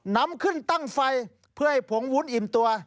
นำขึ้นตั้งไฟเพื่อให้ผงวุ้นอิ่มตัว